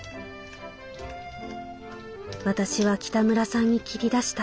「私は北村さんに切り出した。